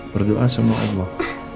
berdoa sama allah